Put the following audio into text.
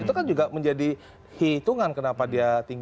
itu kan juga menjadi hitungan kenapa dia tinggi